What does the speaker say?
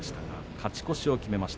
勝ち越しを決めました。